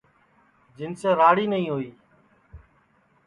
جنسے راڑ ہی نائی ہوئی